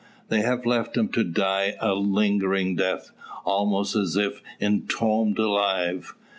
They have left him to die a lingering death, almost as if entombed alive.